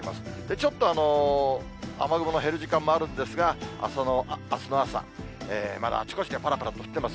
ちょっと雨雲の減る時間もあるんですが、あすの朝、まだあちこちでぱらぱらと降ってます。